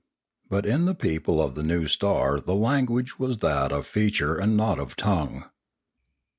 But in the people of the new star the language was that of feature and not of tongue.